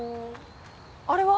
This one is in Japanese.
あれは？